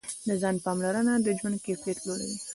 د ځان پاملرنه د ژوند کیفیت لوړوي.